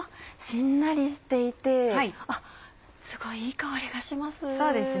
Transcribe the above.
しんなりしていてすごいいい香りがします。